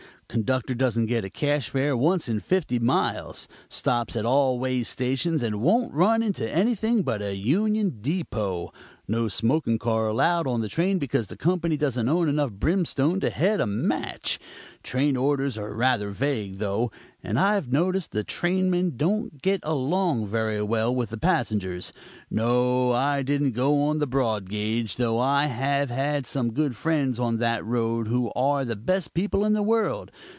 Conductor doesn't get a cash fare once in fifty miles. Stops at all way stations and won't run into anything but a union depot. No smoking car allowed on the train because the company doesn't own enough brimstone to head a match. Train orders are rather vague, though; and I've noticed the trainmen don't get along very well with the passengers. No, I didn't go on the broad gauge, though I have some good friends on that road who are the best people in the world.